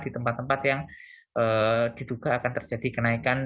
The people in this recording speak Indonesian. di tempat tempat yang diduga akan terjadi kenaikan